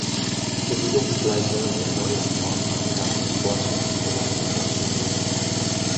Bewegungsgleichungen in neuer Form machen darin die bohrschen Postulate überflüssig.